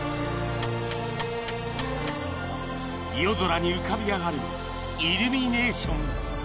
［夜空に浮かび上がるイルミネーション］